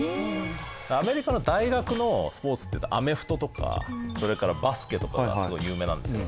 アメリカの大学のスポーツっていうとアメフトとかそれからバスケとかがすごい有名なんですよ。